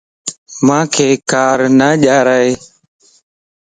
مانک کار نه ڄارائي